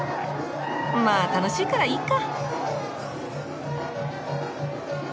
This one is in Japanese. まぁ楽しいからいいか！